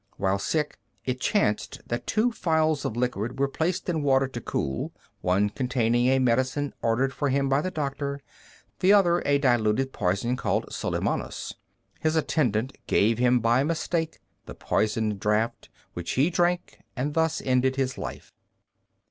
While sick it chanced that two phials of liquid were placed in water to cool, one containing a medicine ordered for him by the doctor, the other a diluted poison called Sollimanus. His attendant gave him by mistake the poisoned draught, which he drank, and thus ended his life.